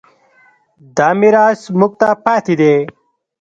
دا میراث موږ ته پاتې دی.